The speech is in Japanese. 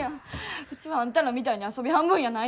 ウチはあんたらみたいに遊び半分やないんや！